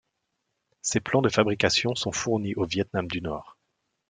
Ses plans de fabrication sont fournis au Vietnam du Nord.